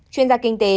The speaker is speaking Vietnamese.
chuyên gia kinh tế